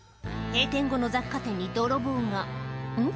閉店後の雑貨店に泥棒がん？